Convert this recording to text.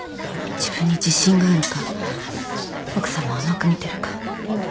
自分に自信があるか奥さまを甘く見てるか。